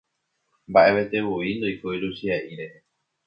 Mbaʼevetevoi ndoikói Luchiaʼi rehe.